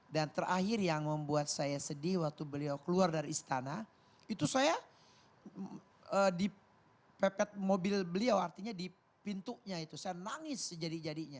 dan terakhir yang membuat saya sedih waktu beliau keluar dari istana itu saya di pepet mobil beliau artinya di pintunya itu saya nangis sejadi jadinya